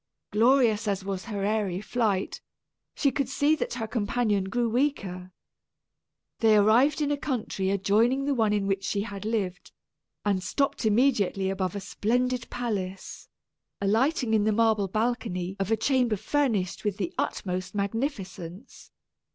Glorious as was her airy flight, she could see that her companion grew weaker. They arrived in a country adjoining the one in which she had lived, and stopped immediately above a splendid palace alighting in the marble balcony of a chamber furnished with the utmost magnificence.